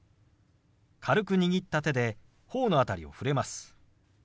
軽く握った手で頬の辺りを触れます。